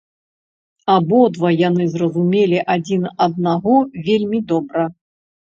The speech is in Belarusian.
Абодва яны зразумелі адзін аднаго вельмі добра.